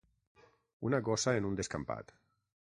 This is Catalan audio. Una gossa en un descampat.